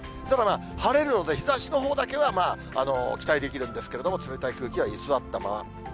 ただ、晴れるので、日ざしのほうだけは、期待できるんですけど、冷たい空気は居座ったまま。